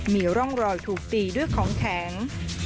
มีร่องรอยถูกตีด้วยของแข็ง